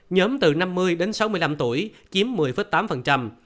nhóm từ năm mươi đến sáu mươi năm tuổi chiếm một mươi tám